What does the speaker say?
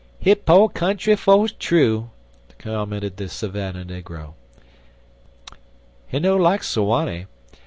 "Him po' country fer true," commented the Savannah negro; "he no like Sawanny.